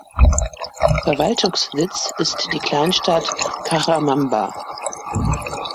Verwaltungssitz ist die Kleinstadt Cajabamba.